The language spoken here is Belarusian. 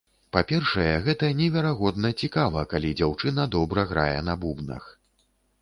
Па-першае, гэта неверагодна цікава, калі дзяўчына добра грае на бубнах.